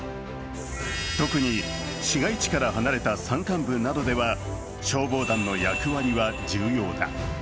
特に市街地から離れた山間部などでは消防団の役割は重要だ。